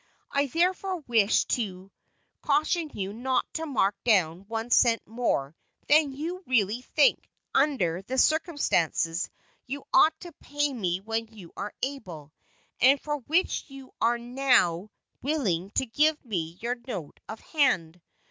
I therefore wish to caution you not to mark down one cent more than you really think, under the circumstances, you ought to pay me when you are able, and for which you are now willing to give me your note of hand.